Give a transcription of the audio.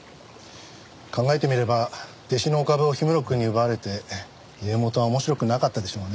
考えてみれば弟子のお株を氷室くんに奪われて家元は面白くなかったでしょうね。